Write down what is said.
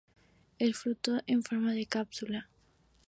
El fruto en forma de cápsula.